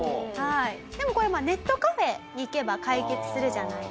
でもこれはネットカフェに行けば解決するじゃないですか。